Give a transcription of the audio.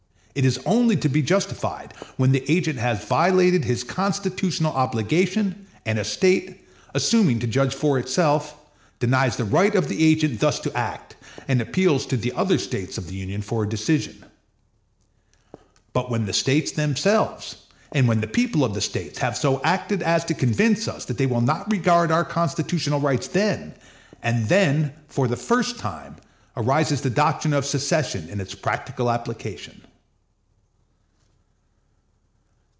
It is only to be justified when the agent has violated his constitutional obligation, and a State, assuming to judge for itself, denies the right of the agent thus to act, and appeals to the other States of the Union for a decision; but when the States themselves, and when the people of the States, have so acted as to convince us that they will not regard our constitutional rights then, and then for the first time, arises the doctrine of secession in its practical application.